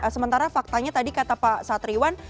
sementara faktanya tadi kata pak satriwan